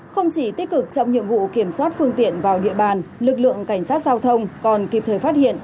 không chỉ tích cực trong nhiệm vụ kiểm soát phương tiện vào địa bàn lực lượng cảnh sát giao thông còn kịp thời phát hiện